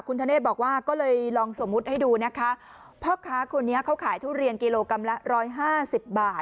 คุณธเนธบอกว่าก็เลยลองสมมุติให้ดูนะคะพ่อค้าคนนี้เขาขายทุเรียนกิโลกรัมละร้อยห้าสิบบาท